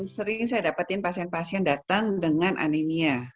sering saya dapetin pasien pasien datang dengan anemia